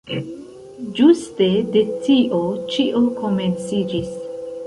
Ĝuste de tio ĉio komenciĝis.